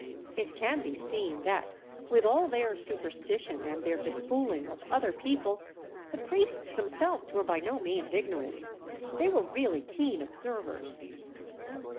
It can be seen that, with all their superstition and their befooling of other people, the priests themselves were by no means ignorant; they were really keen observers.